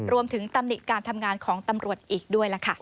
ตำหนิการทำงานของตำรวจอีกด้วยล่ะค่ะ